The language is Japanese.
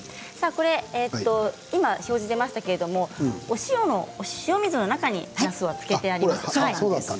今、表示が出ましたがお塩、塩水の中になすをつけてありました。